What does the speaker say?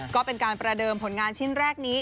ก็เป็นการประเดิมผลงานชิ้นแรกนี้